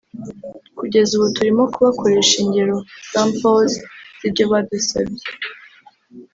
Kugeza ubu turimo kubakorera ingero (samples) z’ibyo badusabye